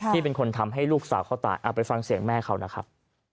ที่เป็นคนทำให้ลูกสาวเขาตายไปฟังเสียงแม่เขานะครับ